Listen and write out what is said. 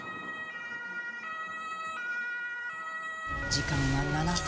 時間は７分。